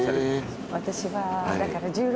私はだから。